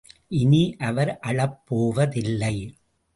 இனி அவர் அழப் போவதில்லை.